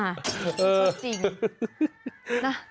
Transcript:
เออจริง